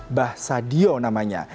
mbah sadio namanya